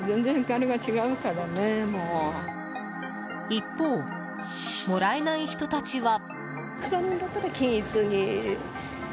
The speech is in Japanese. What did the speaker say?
一方、もらえない人たちは。